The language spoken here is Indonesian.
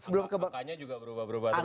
angkanya juga berubah berubah terus ya